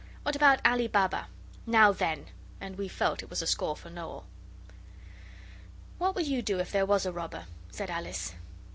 'What about Ali Baba? Now then!' And we felt it was a score for Noel. 'What would you do if there was a robber?' said Alice.